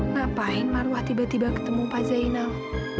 ngapain marwah tiba tiba ketemu pak zainal